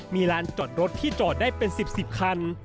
มีลานจอดรถที่จอดได้เป็น๑๐๑๐คัน